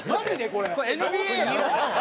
これ。